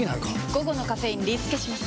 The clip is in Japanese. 午後のカフェインリスケします！